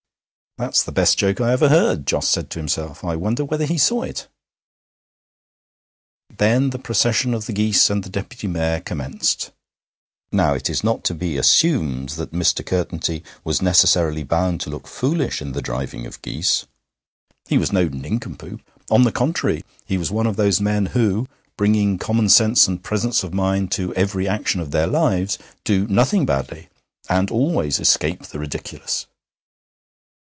'That's the best joke I ever heard,' Jos said to himself 'I wonder whether he saw it.' Then the procession of the geese and the Deputy Mayor commenced. Now, it is not to be assumed that Mr. Curtenty was necessarily bound to look foolish in the driving of geese. He was no nincompoop. On the contrary, he was one of those men who, bringing common sense and presence of mind to every action of their lives, do nothing badly, and always escape the ridiculous.